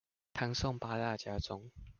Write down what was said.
唐宋八大家中